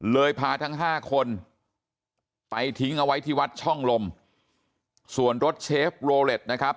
พาทั้งห้าคนไปทิ้งเอาไว้ที่วัดช่องลมส่วนรถเชฟโรเล็ตนะครับ